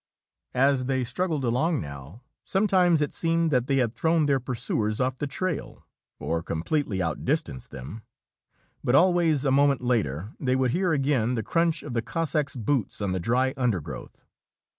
As they struggled along now, sometimes it seemed that they had thrown their pursuers off the trail, or completely outdistanced them, but always a moment later they would hear again the crunch of the Cossacks' boots on the dry undergrowth.